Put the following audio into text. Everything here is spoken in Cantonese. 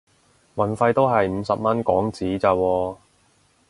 運費都係五十蚊港紙咋喎